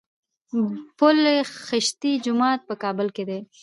پل خشتي جومات په کابل کي دی